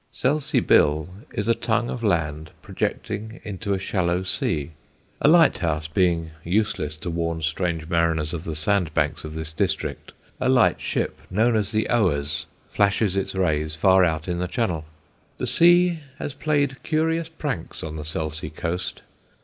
Selsey Bill is a tongue of land projecting into a shallow sea. A lighthouse being useless to warn strange mariners of the sandbanks of this district, a lightship known as the Owers flashes its rays far out in the channel. The sea has played curious pranks on the Selsey coast.